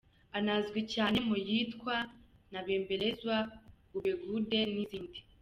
Anazwi cyane mu yitwa “Nabembelezwa”, “Gubegube” n’izindi.